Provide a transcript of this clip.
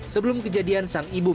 sebelum kejadian sang ibum